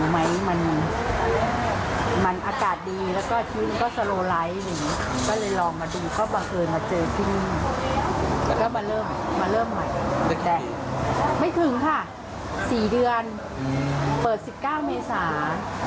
ไม่ถึงค่ะ๔เดือนเปิด๑๙เมษา